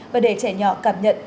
và để trẻ nhỏ cảm nhận